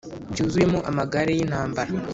byuzuyemo amagare y’intambara,